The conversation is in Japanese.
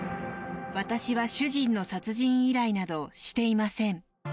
私は主人の殺人依頼などしていません。